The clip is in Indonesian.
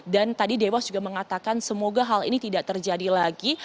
dan tadi dewa juga mengatakan semoga hal ini tidak terjadi lagi